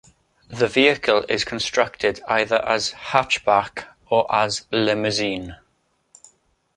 The vehicle is constructed either as hatchback or as limousine.